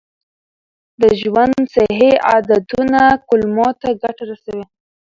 د ژوند صحي عادتونه کولمو ته ګټه رسوي.